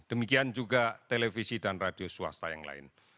demikian juga televisi dan radio swasta yang lain